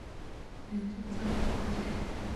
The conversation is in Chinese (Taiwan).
讓你們搭個線